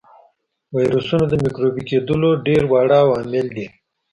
ویروسونه د مکروبي کېدلو ډېر واړه عوامل دي.